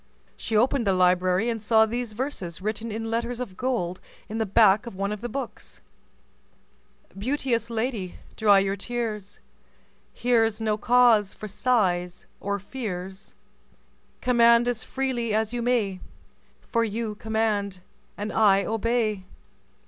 She opened the library and saw these verses written in letters of gold in the back of one of the books:— "Beauteous lady, dry your tears, Here's no cause for sighs or fears. Command as freely as you may, For you command and I obey."